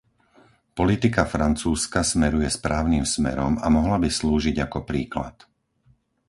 Politika Francúzska smeruje správnym smerom a mohla by slúžiť ako príklad.